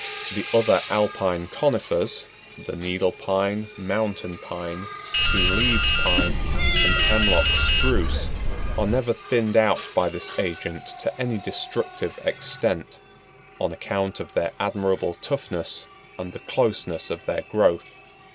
The other alpine conifers—the Needle Pine, Mountain Pine, Two leaved Pine, and Hemlock Spruce—are never thinned out by this agent to any destructive extent, on account of their admirable toughness and the closeness of their growth.